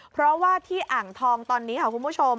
เพราะว่าที่อ่างทองตอนนี้ค่ะคุณผู้ชม